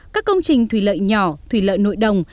các công trình thủy lợi nhỏ thủy lợi nội đồng